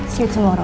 sampai jumpa besok